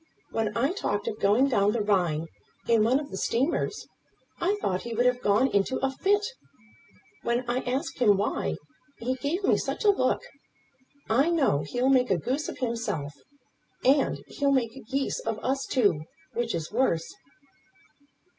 When I talked of going down the Rhine in one of the steamers, I thought he would have gone into a fit. When I asked him why, he gave me such a look. I know he'll make a goose of himself; and he'll make geese of us, too; which is worse."